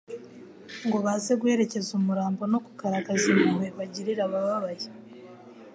ngo baze guherekeza umurambo no kugaragaza impuhwe bagirira abababaye.